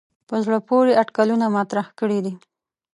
په زړه پورې اټکلونه مطرح کړي دي.